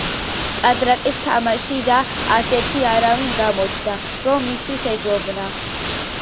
ჭადრაკის თამაში და ასეთი არავინ გამოჩნდა, რომ მისთვის ეჯობნა.